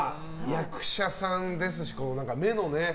役者さんですし、目のね。